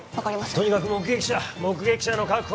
とにかく目撃者目撃者の確保